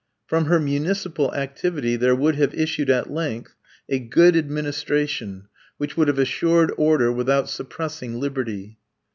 From her municipal activity there would have issued at length a good administration which would have assured order without suppressing liberty.